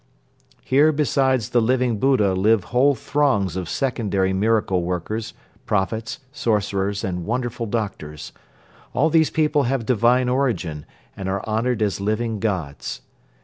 Here besides the Living Buddha live whole throngs of secondary miracle workers, prophets, sorcerers and wonderful doctors. All these people have divine origin and are honored as living gods.